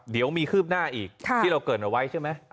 เดี๋ยวมีคืบหน้าอีกที่เราเกิดเอาไว้ใช่ไหม